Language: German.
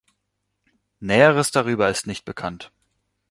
Näheres darüber ist nicht bekannt.